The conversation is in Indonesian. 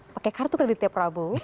pake kartu kredit ya prabu